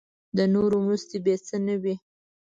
د نورو مرستې بې څه نه وي.